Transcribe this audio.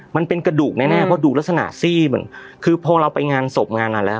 มันเป็นกระดูกแน่แน่เพราะดูลักษณะซี่มันคือพอเราไปงานศพงานนานแล้ว